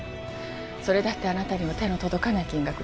それだってあなたには手の届かない金額でしょ？